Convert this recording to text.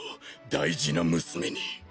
大事な娘に。